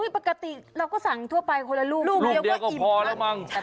ปกติเราก็สั่งทั่วไปคนละลูกลูกเดียวก็อิ่มพอแล้วมั้ง